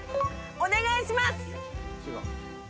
お願いします！